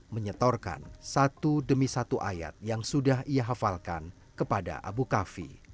menyetorkan satu demi satu ayat yang sudah ia hafalkan kepada abu kafi